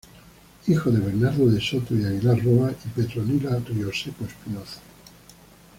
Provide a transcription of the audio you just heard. Hijo de "Bernardo de Soto y Aguilar Roa" y "Petronila Rioseco Espinoza".